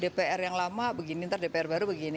dpr yang lama begini ntar dpr baru begini